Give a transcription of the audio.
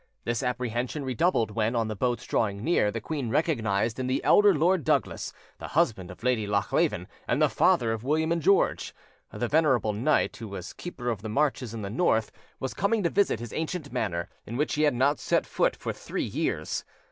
This apprehension redoubled when, on the boats drawing near, the queen recognised in the elder Lord Douglas, the husband of Lady Lochleven, and the father of William and George. The venerable knight, who was Keeper of the Marches in the north, was coming to visit his ancient manor, in which he had not set foot for three years.